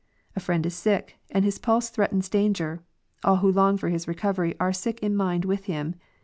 A friend is sick, and his pulse threatens danger ; all who long for his recovery, are sick in mind with him.